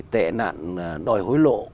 tệ nạn đòi hối lộ